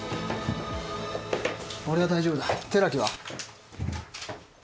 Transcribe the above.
俺は大丈夫だ寺木は？